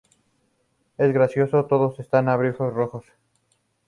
Es gracioso, ¡todos estos abrigos rojos!